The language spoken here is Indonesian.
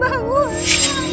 mas bangun mas